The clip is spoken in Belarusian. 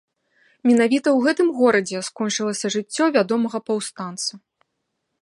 Менавіта ў гэтым горадзе скончылася жыццё вядомага паўстанца.